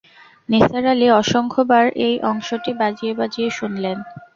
নিসার আলি অসংখ্যাবার এই অংশটি বাজিয়ে-বাজিয়ে শুনলেন।